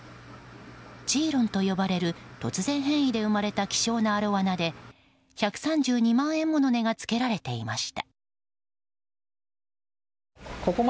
チーロンと呼ばれる突然変異で生まれた希少なアロワナで１３２万円もの値段がつけられていました。